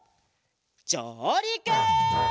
じょうりく！